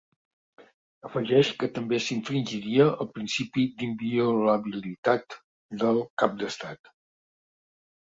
Afegeix que també s’infringiria el principi d’inviolabilitat del cap de l’estat.